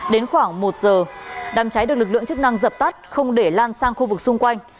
đến khoảng một giờ đám cháy được lực lượng chức năng dập tắt không để lan sang khu vực xung quanh